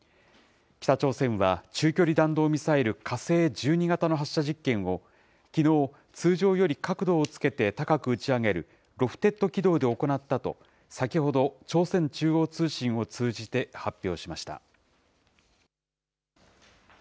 北朝鮮は中距離弾道ミサイル、火星１２型の発射実験を、きのう、通常より角度をつけて高く打ち上げるロフテッド軌道で行ったと、先ほど、朝鮮中央通信を通じて発表しました。